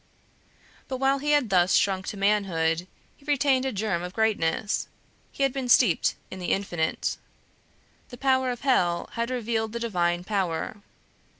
But while he had thus shrunk to manhood, he retained a germ of greatness, he had been steeped in the Infinite. The power of hell had revealed the divine power.